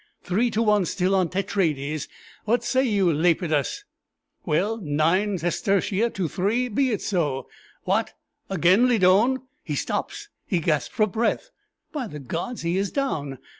"Three to one still on Tetraides! What say you, Lepidus?" "Well nine sestertia to three be it so! What! again Lydon. He stops he gasps for breath. By the gods, he is down!